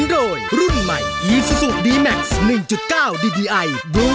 ร้องได้ไทยล้าง